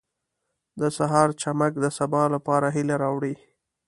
• د سهار چمک د سبا لپاره هیله راوړي.